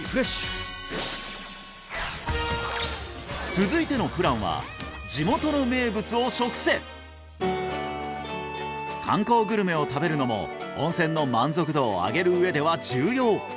続いてのプランは観光グルメを食べるのも温泉の満足度を上げるうえでは重要